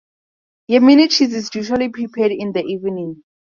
Yemeni cheese is usually prepared in the evening.